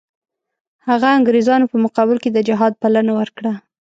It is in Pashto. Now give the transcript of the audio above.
هغه انګریزانو په مقابل کې د جهاد بلنه ورکړه.